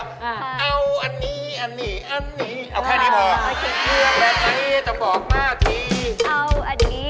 เกด